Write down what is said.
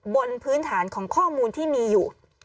บนพื้นฐานของข้อมูลที่มีอยู่